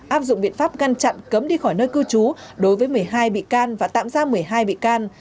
áp dụng biện pháp ngăn chặn cấm đi khỏi nơi cư trú đối với một mươi hai bị can và tạm giam một mươi hai bị can